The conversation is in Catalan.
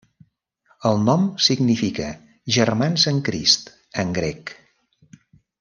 El nom significa 'germans en Crist' en grec.